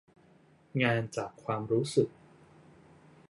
งานจากความรู้สึก